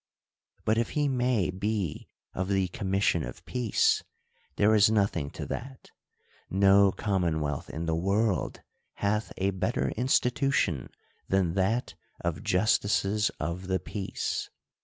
But if he may be of the commission of peace, there is nothing to that. No commonwealth in the world hath a better institu tion than that of justices of the peace.